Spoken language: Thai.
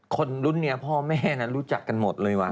คนรุ่นนี้พ่อแม่นั้นรู้จักกันหมดเลยว่